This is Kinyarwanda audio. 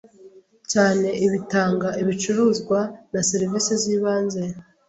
cyane ibitanga ibicuruzwa na serivisi z’ibanze